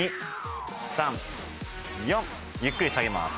ゆっくり下げます